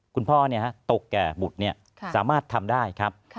คุณพ่อเนี่ยตกแก่บุตรเนี่ยสามารถทำได้ครับ